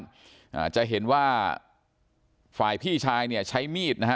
อ่าจะเห็นว่าฝ่ายพี่ชายเนี่ยใช้มีดนะฮะ